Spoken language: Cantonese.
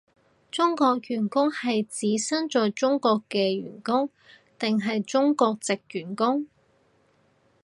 中國員工係指身在中國嘅員工定係中國藉員工？